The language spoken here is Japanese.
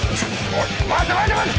おい待て待て待て！